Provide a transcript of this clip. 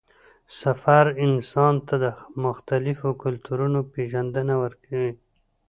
سفر انسان ته د مختلفو کلتورونو پېژندنه ورکوي